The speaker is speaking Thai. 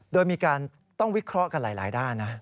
โดยมีการต้องวิเคราะห์กันหลายด้านนะ